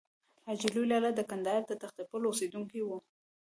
حاجي لوی لالا د کندهار د تختې پل اوسېدونکی و.